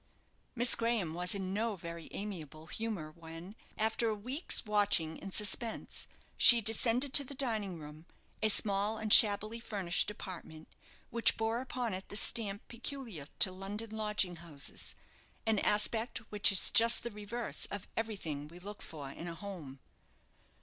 Miss Graham was in no very amiable humour when, after a week's watching and suspense, she descended to the dining room, a small and shabbily furnished apartment, which bore upon it the stamp peculiar to London lodging houses an aspect which is just the reverse of everything we look for in a home.